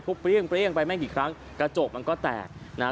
เปรี้ยเปรี้ยงไปไม่กี่ครั้งกระจกมันก็แตกนะฮะ